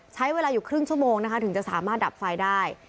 ใช้เวลาอยู่ครึ่งชั่วโมงนะคะถึงจะสามารถดับไฟได้